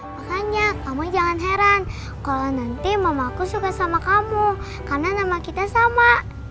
makanya kamu jangan heran kalau nanti mamaku suka sama kamu karena nama kita sama